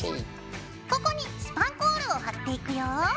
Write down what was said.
ここにスパンコールを貼っていくよ。